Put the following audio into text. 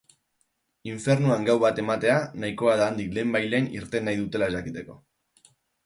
Infernuan gau bat ematea nahikoa da handik lehenbailehen irten nahi dutela jakiteko.